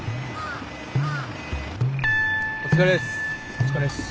お疲れっす。